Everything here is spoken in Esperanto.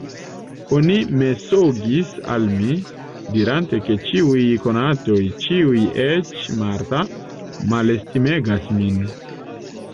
Oni mensogis al mi, dirante, ke ĉiuj konatoj, ĉiuj, eĉ Marta, malestimegas min.